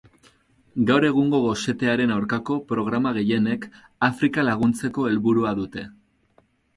Gaur egungo gosetearen aurkako programa gehienek Afrika laguntzeko helburua dute.